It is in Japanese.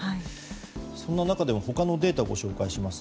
そんな中でも他のデータを紹介します。